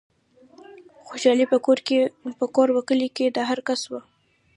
خوشحالي په کور و کلي د هرکس وه